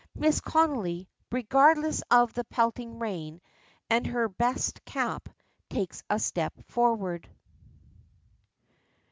Mrs. Connolly, regardless of the pelting rain and her best cap, takes a step forward.